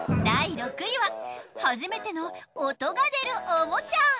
第６位は初めての音が出るおもちゃ。